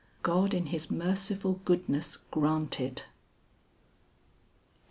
God in his merciful goodness grant it."